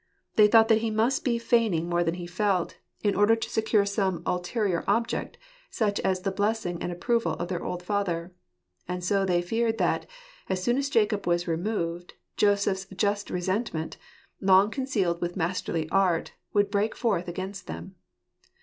They thought that he must be feigning more than he felt, in ^ yorcstratrofarittg of Incarnate ftobe. 183 order to secure some ulterior object, such as the blessing and approval of their old father. And so they feared that, as soon as Jacob was removed, Joseph's just resentment, long concealed with masterly art, would break forth against them.